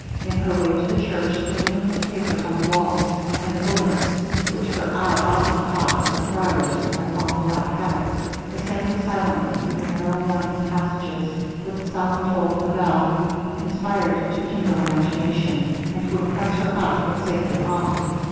In her way to the church, the gleam of tapers on the walls, and the glimpse which her eye often caught of the friars in their long black habits, descending silently through the narrow winding passages, with the solemn toll of the bell, conspired to kindle imagination, and to impress her heart with sacred awe.